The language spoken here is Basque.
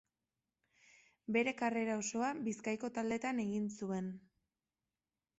Bere karrera osoa Bizkaiko taldetan egin zuen.